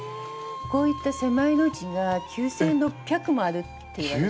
こういった狭い路地が９，６００もあるっていわれてるんです。